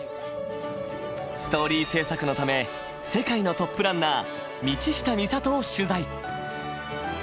ストーリー制作のため世界のトップランナー道下美里を取材。